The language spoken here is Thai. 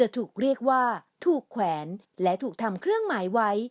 ที่ถูกแขวนและถูกทำเครื่องหมายไว้